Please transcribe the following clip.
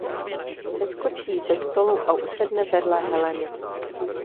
Seskočí ze stolu a usedne vedle Heleny.